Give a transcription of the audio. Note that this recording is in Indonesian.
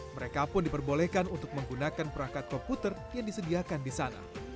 mereka pun diperbolehkan untuk menggunakan perangkat komputer yang disediakan di sana